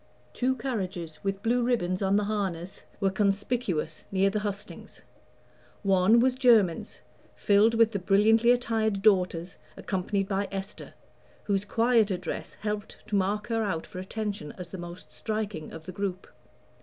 Two carriages, with blue ribbons on the harness, were conspicuous near the hustings. One was Jermyn's, filled with the brilliantly attired daughters, accompanied by Esther, whose quieter dress helped to mark her out for attention as the most striking of the group.